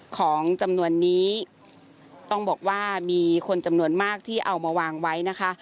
ของจำนวนนี้ต้องบอกว่ามีคนจำนวนมากที่เอามาวางไว้นะคะ